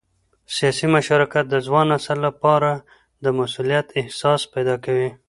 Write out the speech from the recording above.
سیاسي مشارکت د ځوان نسل لپاره د مسؤلیت احساس پیدا کوي